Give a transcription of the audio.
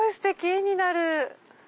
絵になる。